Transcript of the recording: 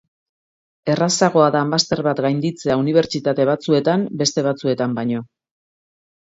Errazagoa da master bat gainditzea unibertsitate batzuetan beste batzuetan baino.